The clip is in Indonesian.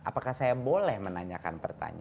apakah saya boleh menanyakan